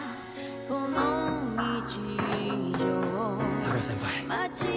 桜先輩。